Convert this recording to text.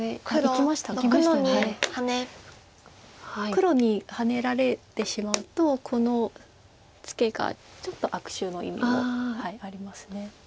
黒にハネられてしまうとこのツケがちょっと悪手の意味もあります。